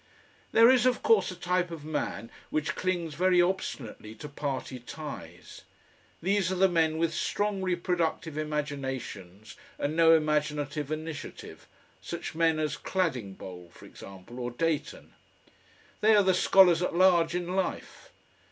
There is, of course, a type of man which clings very obstinately to party ties. These are the men with strong reproductive imaginations and no imaginative initiative, such men as Cladingbowl, for example, or Dayton. They are the scholars at large in life.